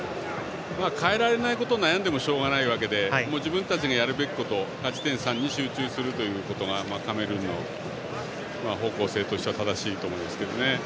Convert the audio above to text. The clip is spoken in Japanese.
変えられないことを悩んでもしょうがないわけで自分たちのやるべきこと勝ち点３に集中することがカメルーンの方向性としては正しいと思います。